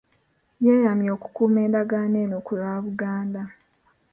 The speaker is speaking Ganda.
Yeeyamye okukuuma endagaano eno ku lwa Buganda